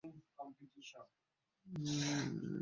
এবং তাদেরকে যেন সে আর কষ্ট না দেয়।